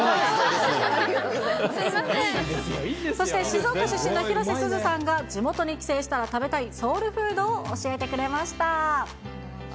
そして静岡出身の広瀬すずさんが、地元に帰省したら食べたいソウルフードを教えてくれました。